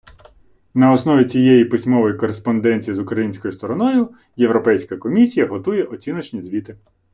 На основі цієї письмової кореспонденції з українською стороною Європейська комісія готує оціночні звіти.